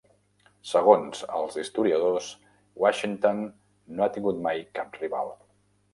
Segons els historiadors, Washington no ha tingut mai cap rival.